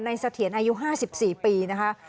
ในเสถียนอายุ๕๔ปีนะครับ